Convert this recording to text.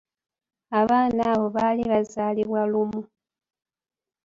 Abaana abo baali baazaalibwa lumu.